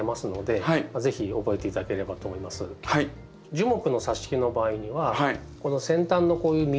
樹木のさし木の場合にはこの先端のこういう緑色のですね